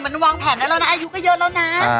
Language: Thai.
มันวางแผนได้แล้วนะอายุก็เยอะแล้วนะ